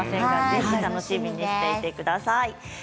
ぜひ楽しみにしてください。